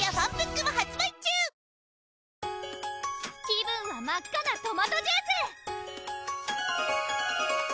気分は真っ赤なトマトジュース！